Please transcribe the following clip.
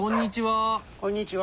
こんにちは。